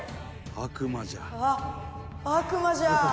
悪魔じゃ」